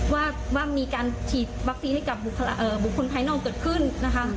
ว่ามีการฉีดวัคซีนให้กับบุคคลภายนอกเกิดขึ้นนะคะ